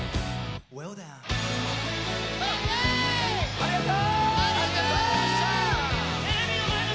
ありがとう！